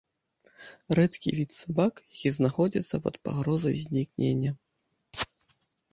Рэдкі від сабак, які знаходзіцца пад пагрозай знікнення.